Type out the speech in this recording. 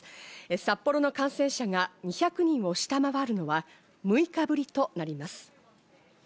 札幌の感染者が２００人を下回るのは６日ぶりとなります。